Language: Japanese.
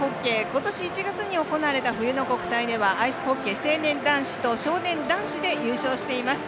今年１月に行われた冬の国体ではアイスホッケー成年男子と少年男子で優勝しています。